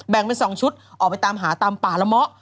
เป็น๒ชุดออกไปตามหาตามป่าละเมาะ